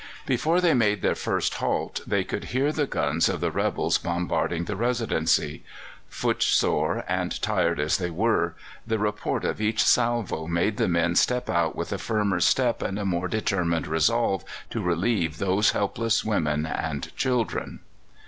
Before they made their first halt they could hear the guns of the rebels bombarding the Residency. Footsore and tired as they were, the report of each salvo made the men step out with a firmer tread and a more determined resolve to relieve those helpless women and children.